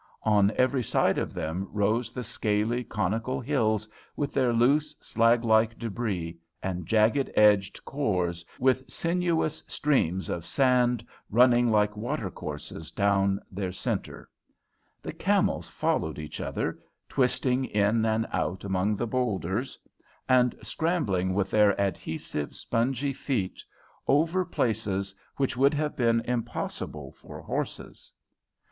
On every side of them rose the scaly, conical hills with their loose, slaglike débris, and jagged edged khors, with sinuous streams of sand running like watercourses down their centre. The camels followed each other, twisting in and out among the boulders, and scrambling with their adhesive, spongy feet over places which would have been impossible for horses.